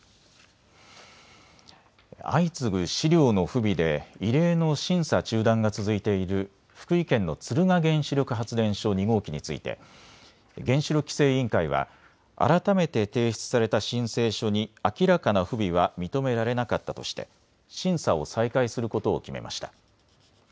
相次ぐ資料の不備で異例の審査中断が続いている福井県の敦賀原子力発電所２号機について原子力規制委員会は改めて提出された申請書に明らかな不備は認められなかったとして審査を再開することを決めました。